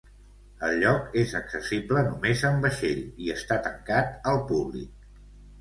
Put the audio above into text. El lloc és accessible només amb vaixell, i està tancat al públic.